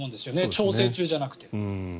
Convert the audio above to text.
調整中じゃなくて。